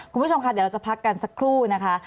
คุณผู้ชมค่ะเดี๋ยวเราจะพักกันสักครู่นะคะ